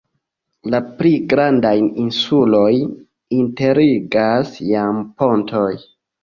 La pli grandajn insulojn interligas jam pontoj.